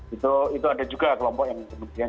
itu ada juga kelompok yang kemudian